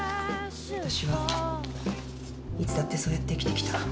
わたしはいつだってそうやって生きてきた。